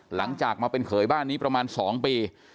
หลังจากมาเป็นเขยบ้านนี้ประมาณ๒ปี